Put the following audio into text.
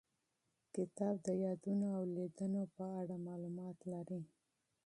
کتاب د یادونو او لیدنو په اړه معلومات لري.